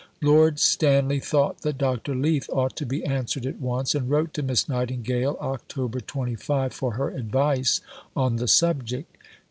Lord Stanley thought that Dr. Leith ought to be answered at once, and wrote to Miss Nightingale (Oct. 25) for her advice on the subject.